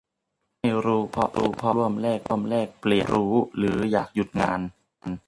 ไม่รู้เพราะอยากร่วมแลกเปลี่ยนความรู้ หรืออยากหยุดงาน